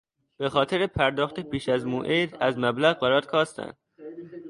به خاطر پرداخت پیش از موعد از مبلغ برات کاستن